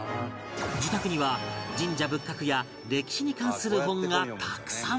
自宅には神社仏閣や歴史に関する本がたくさん